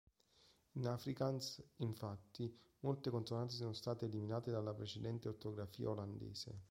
In afrikaans, infatti, molte consonanti sono state eliminate dalla precedente ortografia olandese.